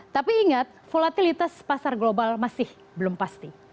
tapi ingat volatilitas pasar global masih belum pasti